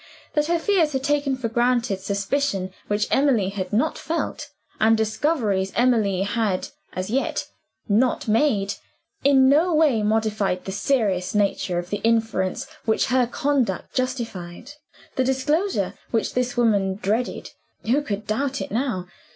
That her fears had taken for granted suspicion which Emily had not felt, and discoveries which Emily had (as yet) not made, in no way modified the serious nature of the inference which her conduct justified. The disclosure which this woman dreaded who could doubt it now?